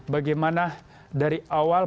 bagaimana dari awal